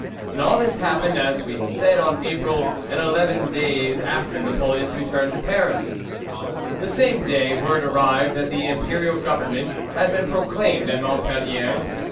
And all this happened, as we have said, on April and, eleven days after Napoleon's return to Paris. The same day word arrived that the Imperial Government had been proclaimed at Montpellier.